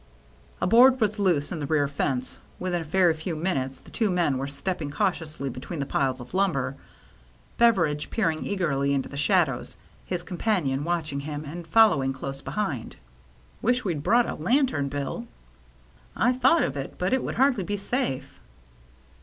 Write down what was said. A board was loose in the rear fence. Within a very few minutes the two men were stepping cautiously between the piles of lumber, Bever idge peering eagerly into the shadows, his com panion watching him and following close behind. " Wish we'd brought a lantern. Bill." " I thought of it. But it would hardly be safe."